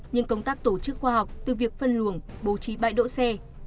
nhưng công tác tổ chức khoa học từ việc phân luồng bố trí bãi đỗ xe